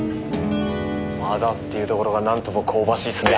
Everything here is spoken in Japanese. まだっていうところがなんとも香ばしいっすね。